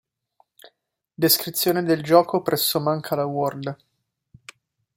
Descrizione del gioco presso Mancala World